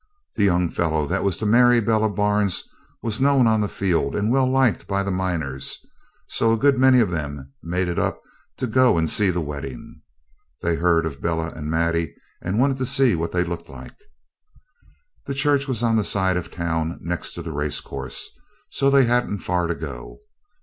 The young fellow that was to marry Bella Barnes was known on the field and well liked by the miners, so a good many of them made it up to go and see the wedding. They'd heard of Bella and Maddie, and wanted to see what they looked like. The church was on the side of the town next the racecourse, so they hadn't far to go.